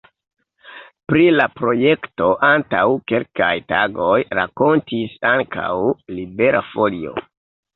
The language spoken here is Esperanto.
Pri la projekto antaŭ kelkaj tagoj rakontis ankaŭ Libera Folio.